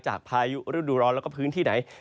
พายุฤดูร้อนแล้วก็พื้นที่ไหน